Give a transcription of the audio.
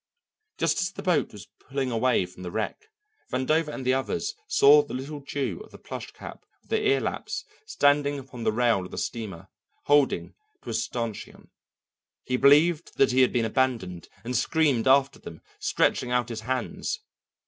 Just as the boat was pulling away from the wreck, Vandover and the others saw the little Jew of the plush cap with the ear laps standing upon the rail of the steamer, holding to a stanchion. He believed that he had been abandoned, and screamed after them, stretching out his hands.